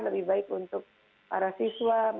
lebih baik untuk para siswa